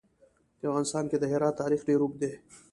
په افغانستان کې د هرات تاریخ ډېر اوږد دی.